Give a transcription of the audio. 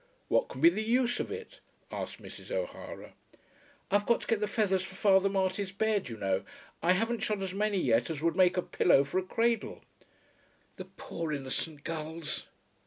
"What can be the use of it?" asked Mrs. O'Hara. "I've got to get the feathers for Father Marty's bed, you know. I haven't shot as many yet as would make a pillow for a cradle." "The poor innocent gulls!"